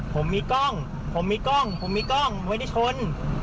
ผมมีกล้องผมมีกล้องผมมีกล้องไม่ได้ชน